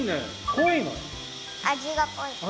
味が濃いの？